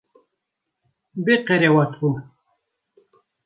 Bê qerewat bû.